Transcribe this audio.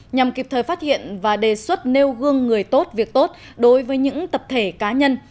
nhằm kịp thời phát hiện và đề xuất nêu gương người tốt việc tốt đối với những tập thể cá nhân